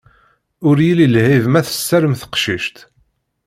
Ur yelli lɛib ma tessarem teqcict.